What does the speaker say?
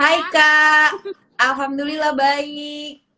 hai kak alhamdulillah baik